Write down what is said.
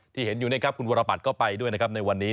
ที่เห็นอยู่นะครับคุณวรบัตรก็ไปด้วยนะครับในวันนี้